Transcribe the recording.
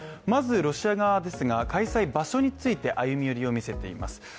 まずロシア側ですが開催場所について歩み寄りを見せています。